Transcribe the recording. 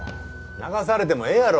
流されてもええやろ。